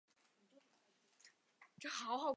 威克岛邮政和电话编制上属于夏威夷。